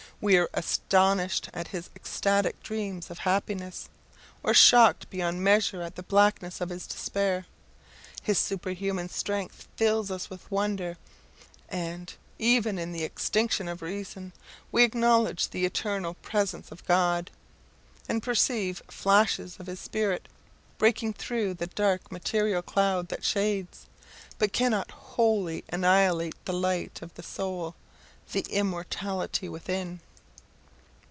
We are astonished at his ecstatic dream of happiness, or shocked beyond measure at the blackness of his despair. His superhuman strength fills us with wonder; and, even in the extinction of reason, we acknowledge the eternal presence of God, and perceive flashes of his Spirit breaking through the dark material cloud that shades, but cannot wholly annihilate the light of the soul, the immortality within.